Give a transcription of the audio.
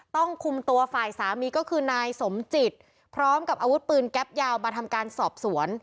ต้องคุมตัวฝ่ายสามีก็คือนายสมจิตพร้อมกับอาวุธปืนแก๊ปยาวมาทำการสอบสวน